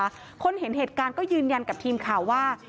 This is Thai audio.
เหมือนกันนะคะคนเห็นเหตุการณ์ก็ยืนยันกับทีมข่าวว่า